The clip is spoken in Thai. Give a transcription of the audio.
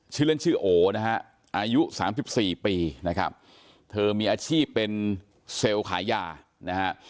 ชื่อเล่นชื่อโอนะฮะอายุสามสิบสี่ปีนะครับเธอมีอาชีพเป็นเซลล์ขายยานะฮะ